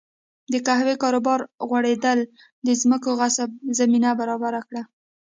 د قهوې کاروبار غوړېدل د ځمکو غصب زمینه برابره کړه.